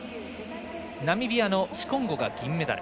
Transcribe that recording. ナミビアのシコンゴが銀メダル。